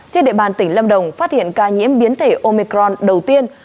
trên địa bàn tỉnh lâm đồng phát hiện ca nhiễm biến thể omicron đầu tiên